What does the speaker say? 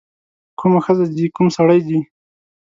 کومه ښځه ځي کوم سړی ځي.